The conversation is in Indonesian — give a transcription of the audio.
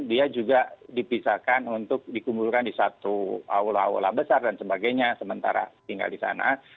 dia juga dipisahkan untuk dikumpulkan di satu aula aula besar dan sebagainya sementara tinggal di sana